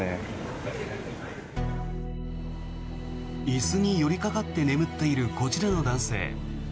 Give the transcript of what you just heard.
椅子に寄りかかって眠っているこちらの男性。